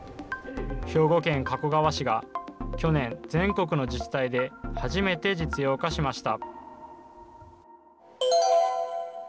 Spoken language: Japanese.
兵庫県加古川市が去年、全国の自治体で初めて実用化しました。